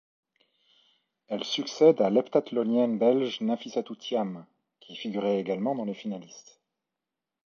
Elle succède à l'heptathlonienne belge Nafissatou Thiam, qui figurait également dans les finalistes.